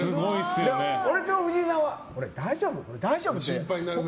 俺と藤井さんはこれ大丈夫？